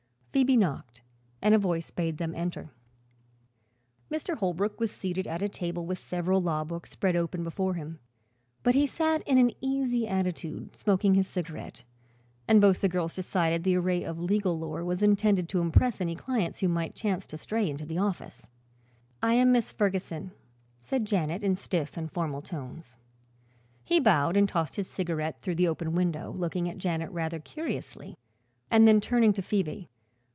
Phoebe knocked and a voice bade them enter. Mr. Holbrook was seated at a table with several law books spread open before him. But he sat in an easy attitude, smoking his cigarette, and both the girls decided the array of legal lore was intended to impress any clients who might chance to stray into the office. "I am Miss Ferguson," said Janet in stiff and formal tones. He bowed and tossed his cigarette through the open window, looking at Janet rather curiously and then turning to Phoebe.